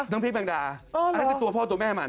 พี่แมงดาอันนั้นคือตัวพ่อตัวแม่มัน